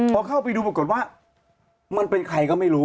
พอเข้าไปดูปรากฏว่ามันเป็นใครก็ไม่รู้